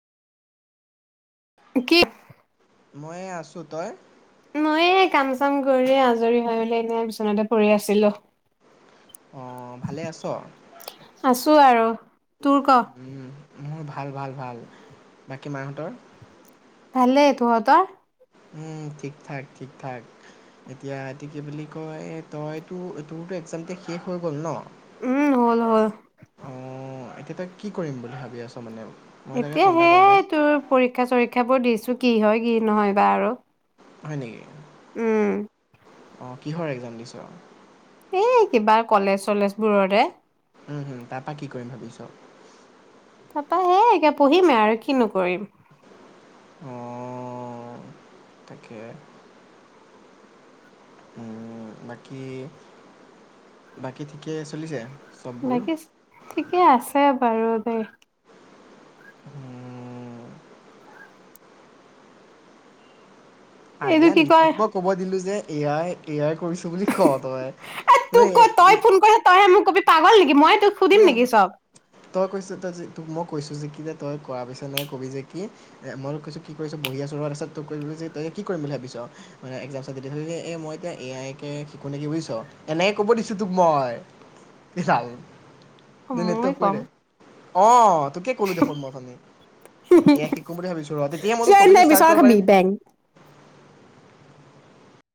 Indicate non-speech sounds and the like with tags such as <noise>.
কি মই আছো তই মই এই কাম চাম কৰি আজৰি হৈ মেলি এনেই বিচনাতে পৰি আছিলো অ ভালে আছ? আছো আৰু তোৰ ক উম, মোৰ ভাল ভাল ভাল। বাকী মা হতৰ? ভালে। তহঁতৰ? উম ঠিক ঠাক, ঠিক ঠাক, এতিয়া এইটো কি বুলি কয় তইতো তোৰতো এক্জাম এতিয়া শেষ হৈ গ'ল ন? উম হ'ল হল ওম এতিয়া তই কি কৰিম বুলি ভাবি আছ মানে? মই তাকে এতিয়া ফোন এটা কৰোঁ তাইক সেইয়াই তোৰ পৰীক্ষা চৰীক্ষা বোৰ দিছো কি হয় কি নহয় বা আৰু হয় নেকি উম অঁ কিহৰ একজাম দিছ? এ কিবা কলেজ চলেজ বোৰৰে হুম হুম তাৰপা কি কৰিম ভাবিছ? তাপা হে এতিয়া পঢ়িমেই আৰু কিনো কৰিম অঁ তাকে উম বাকী বাকী ঠিকে চলিছে চববোৰ বাকি ঠিকে আছে পাৰ বেই হুমম এইটো পাগলা কি নেকি কয় তোক মই ক'ব দিলো যে এয়াই এয়াই কৰিছোঁ বুলি ক তই তই তোক এ ক এই ফোন কৰিছ তইহে মোক ক'বি, পাগল নেকি মই? তোক সুধিম নেকি চব? তই কৈছ, তই যে তোক মই কৈছোঁ, যে কি যে তই কৰা পিছত এনেকে ক'বি যে, কি মই তোক কৈছোঁ? কি কৰিছ? বহি আছোঁ ৰ। তাৰপাছত তোক কবি যে, তই কি কৰিম বুলি ভাবিছ? মানে, একজামছৰ <unintelligible> মই এতিয়া এ আই কে শিকোঁ নেকি? বুজিছ? এনেকে ক'ব দিছোঁ তোক মই এইডাল। অ' মই কম। অঁ। তোকে ক'লো দেখোন মই, উঠনি! এ আই কম শিকো বুলি ভাবিছোঁ ৰ। তেতিয়া মই তোক টপিকটো ষ্টাৰ্ট কৰিব পাৰিম।